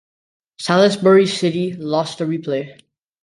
Salisbury City lost the replay.